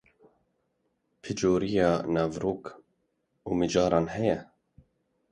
Pircûreyiya naverok û mijaran heye?